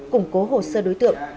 củng cố hồ sơ đối tượng